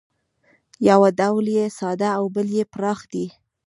یو ډول یې ساده او بل یې پراخ دی